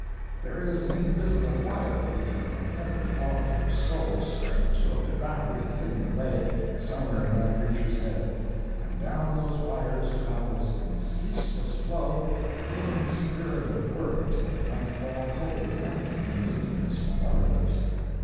There is an invisible wire leading from every auditor's soul straight to a battery hidden away somewhere in that preacher's head, and down those wires travels in ceaseless flow the living spirit of words that might fall cold and empty and meaningless from other lips.